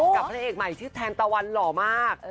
พระเอกใหม่ชื่อแทนตะวันหล่อมาก